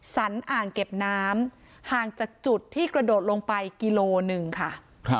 สันอ่างเก็บน้ำห่างจากจุดที่กระโดดลงไปกิโลหนึ่งค่ะ